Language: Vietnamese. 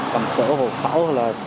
cầm sổ hộp thảo